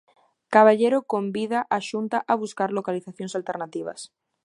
Caballero convida a Xunta a buscar localizacións alternativas.